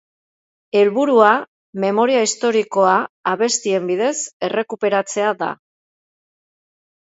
Helburua memoria historikoa abestien bidez errekuperatzea da.